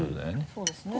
そうですね。